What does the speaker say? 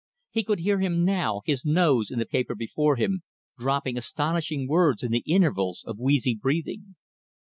He could hear him now, his nose in the paper before him, dropping astonishing words in the intervals of wheezy breathing.